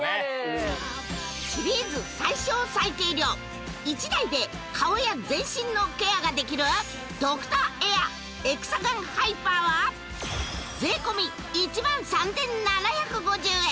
シリーズ最小・最軽量１台で顔や全身のケアができるドクターエアエクサガンハイパーは税込１３７５０円